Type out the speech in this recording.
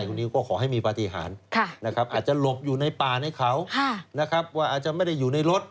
คุณนิวก็ขอให้มีปฏิหารนะครับอาจจะหลบอยู่ในป่าในเขานะครับว่าอาจจะไม่ได้อยู่ในรถ